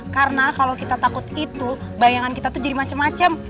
karena kalo kita takut itu bayangan kita tuh jadi macem macem